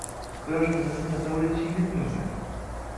Quyosh tizimini tasavvur etishingiz mumkin: